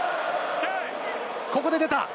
ここで出た！